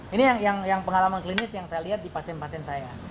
ini yang pengalaman klinis yang saya lihat di pasien pasien saya